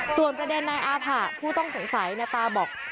ส่วนประเด็นแบบนี้อ้าภาพวกงานผู้ต้องสงสัยณตาบอก